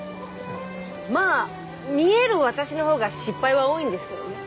まぁ見える私のほうが失敗は多いんですけどね。